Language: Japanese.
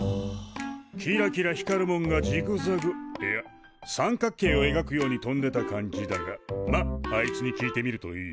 キラキラ光るもんがジグザグいや三角形をえがくように飛んでた感じだがまっあいつに聞いてみるといい。